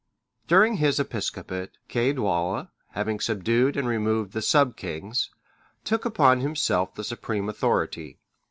During his episcopate, Caedwalla,(594) having subdued and removed the sub kings, took upon himself the supreme authority.